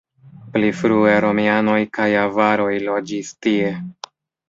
Pli frue romianoj kaj avaroj loĝis tie.